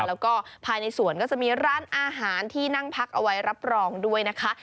แล้วก็ภายในสวนก็จะมีร้านอาหารที่นั่งพักเอาไว้รับรองด้วยนะคะ